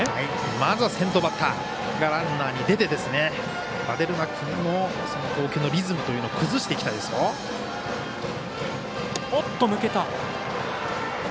まずは先頭バッターがランナーに出てヴァデルナ君の投球のリズムというのを崩していきたいですよ。